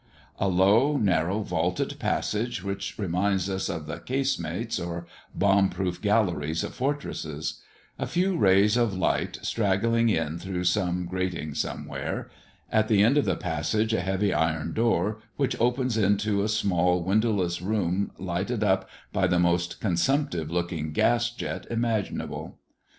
A low, narrow, vaulted passage, which reminds us of the casemates or bomb proof galleries of fortresses; a few rays of light straggling in through some grating somewhere; at the end of the passage a heavy iron door which opens into a small windowless room lighted up by the most consumptive looking gas jet imaginable.